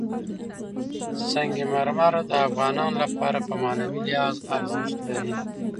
سنگ مرمر د افغانانو لپاره په معنوي لحاظ ارزښت لري.